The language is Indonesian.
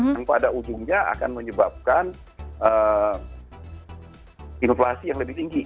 yang pada ujungnya akan menyebabkan inflasi yang lebih tinggi